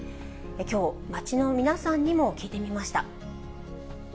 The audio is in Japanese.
きょう、街の皆さんにも聞いてみました。